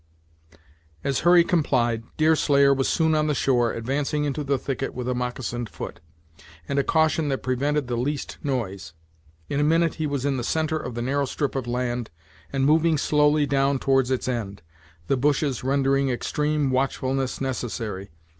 As Hurry complied, Deerslayer was soon on the shore, advancing into the thicket with a moccasined foot, and a caution that prevented the least noise. In a minute he was in the centre of the narrow strip of land, and moving slowly down towards its end, the bushes rendering extreme watchfulness necessary.